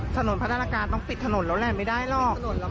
ชุดขี้สนถนนแล้วแหล่งไม่ได้หรอก